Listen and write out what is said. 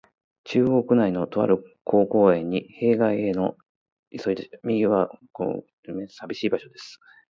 中央区内の、とある小公園の塀外へいそとでした。右がわは公園のコンクリート塀べい、左がわはすぐ川に面している、さびしい場所です。